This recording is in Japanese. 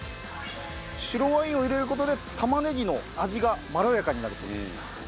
白ワインを入れる事で玉ねぎの味がまろやかになるそうです。